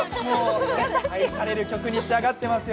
愛される曲に仕上がってますよ。